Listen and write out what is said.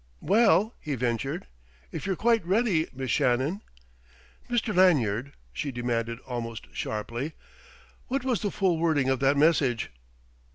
"Well," he ventured "if you're quite ready, Miss Shannon ?" "Mr. Lanyard," she demanded almost sharply "what was the full wording of that message?"